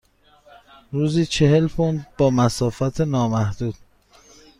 روزی چهل پوند با مسافت نامحدود.